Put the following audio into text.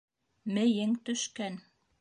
Мейең төшкән.